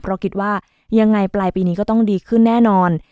เพราะคิดว่ายังไงปลายปีนี้ก็ต้องดีขึ้นแน่นอน